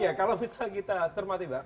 ya kalau misal kita cermati mbak